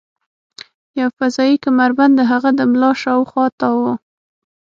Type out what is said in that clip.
یو فضايي کمربند د هغه د ملا شاوخوا تاو و